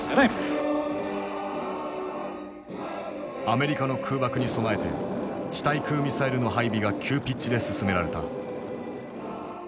アメリカの空爆に備えて地対空ミサイルの配備が急ピッチで進められた。